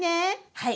はい。